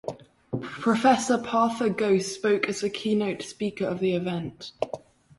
Professor Partha Ghose spoke as the keynote speaker of the event.